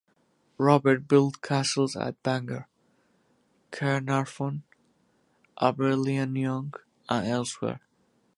Robert built castles at Bangor, Caernarfon, Aberlleiniog and elsewhere.